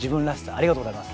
ありがとうございます。